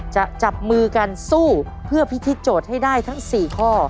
จับมือกันสู้เพื่อพิธีโจทย์ให้ได้ทั้ง๔ข้อ